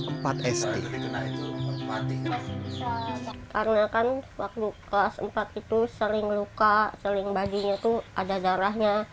karena kan waktu kelas empat itu sering luka sering badinya itu ada darahnya